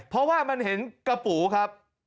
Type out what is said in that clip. เพราะว่ามันเห็นกระปูครับ